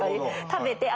食べてあ